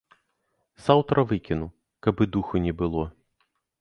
Заўтра выкіну, каб і духу не было.